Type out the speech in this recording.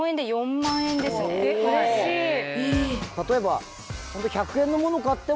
例えば。